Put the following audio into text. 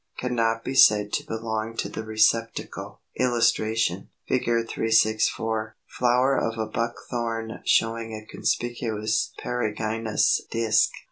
cannot be said to belong to the receptacle. [Illustration: Fig. 364. Flower of a Buckthorn showing a conspicuous perigynous disk.